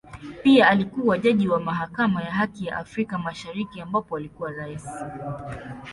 Pia alikua jaji wa Mahakama ya Haki ya Afrika Mashariki ambapo alikuwa Rais.